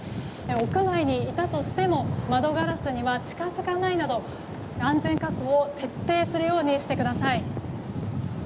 屋内にいたとしても窓ガラスには近づかないなど、安全確保を徹底するようにしてください。